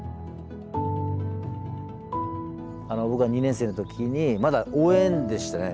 僕が２年生の時にまだ応援でしたね